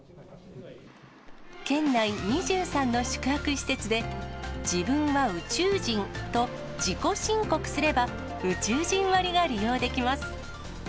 県内２３の宿泊施設で、自分は宇宙人と自己申告すれば、宇宙人割が利用できます。